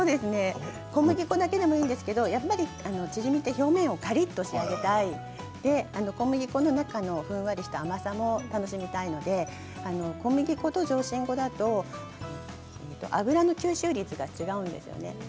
小麦粉だけでもいいんですけどやっぱりチヂミって表面をカリっと仕上げたいので小麦粉の中のふんわりした甘さも楽しみたいので小麦粉と上新粉だと油の吸収率が違うんですよね。